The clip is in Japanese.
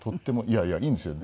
いやいやいいんですよ。